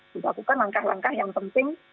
kita lakukan langkah langkah yang penting